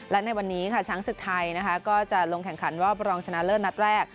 และในวันนี้ค่ะช้างศึกไทยนะคะก็จะลงแข่งขันรอบรองชนะเลิศนัดแรก